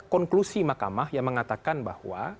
konklusi mahkamah yang mengatakan bahwa